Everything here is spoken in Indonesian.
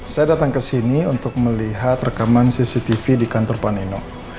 saya datang kesini untuk melihat rekaman cctv di kantor panino